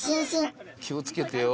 気をつけてよ。